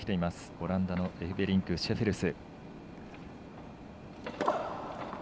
オランダのエフベリンク、シェフェルス。